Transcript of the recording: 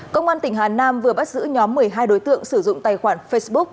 công an tỉnh hà nam vừa bắt giữ nhóm một mươi hai đối tượng sử dụng tài khoản facebook